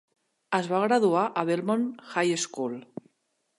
Es va graduar al Belmont High School.